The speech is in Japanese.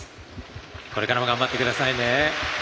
これからも頑張ってくださいね。